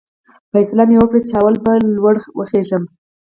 فیصله مې وکړل چې لومړی به لوړ وخېژم.